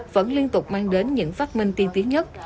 vẫn liên tục mang đến những phát minh tiên tiến nhất